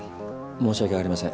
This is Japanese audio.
申し訳ありません。